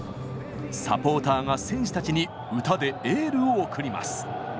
サポーターが選手たちに歌でエールを送ります。